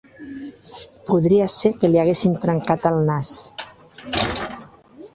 Podria ser que li haguessin trencat el nas.